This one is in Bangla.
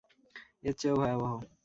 এর চেয়েও ভয়াবহ!